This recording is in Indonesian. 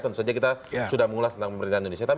tentu saja kita sudah mengulas tentang pemerintahan indonesia